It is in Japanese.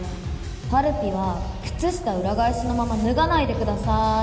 はるぴは靴下裏返しのまま脱がないでください。